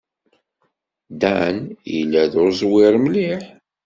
Dan yella d uẓwir mliḥ.